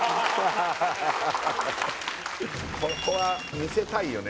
ここは見せたいよね